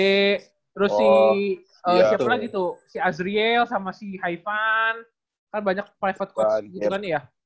terus si siapa lagi tuh si azriel sama si haivan kan banyak private coach gitu kan ya